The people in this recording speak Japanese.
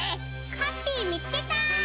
ハッピーみつけた！